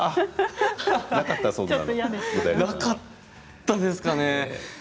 なかったですかね。